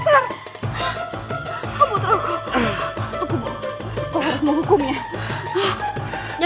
kau harus menghukumnya